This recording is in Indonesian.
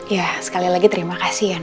ya sekali lagi terima kasih ya